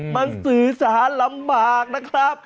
มันสื่อสารลำบากนะครับ